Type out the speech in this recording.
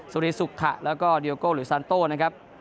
สุรีสุขะแล้วก็ดิโอโกหรือสันต้มนะครับ